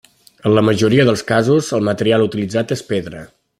En la majoria dels casos, el material utilitzat és pedra.